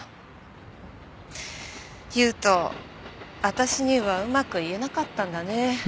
私にはうまく言えなかったんだね。